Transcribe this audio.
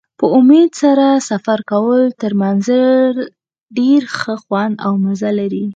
په امید سره سفر کول تر منزل ډېر ښه خوند او مزه لري.